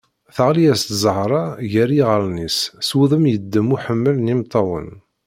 Teɣli-as-d Zahra gar yiɣallen-is s wudem yeddem uḥemmal n yimeṭṭawen.